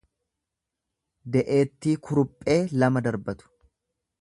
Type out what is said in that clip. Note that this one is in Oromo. De'eettii kuruphee lama darbatu.